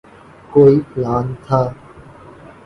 کوئی پلان تھا۔